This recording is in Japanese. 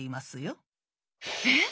えっ！